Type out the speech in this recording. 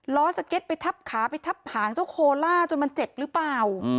สเก็ตไปทับขาไปทับหางเจ้าโคล่าจนมันเจ็บหรือเปล่า